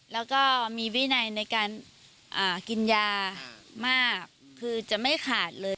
แล้วก็มีวินัยในการกินยามากคือจะไม่ขาดเลย